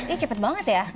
ini cepet banget ya